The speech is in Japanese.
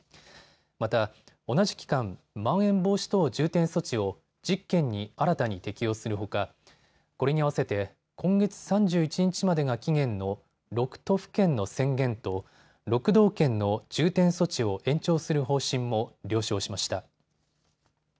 また同じ期間、まん延防止等重点措置を１０県に新たに適用するほかこれに合わせて今月３１日までが期限の６都府県の宣言と６道県の重点措置を延長する方針も了承しました。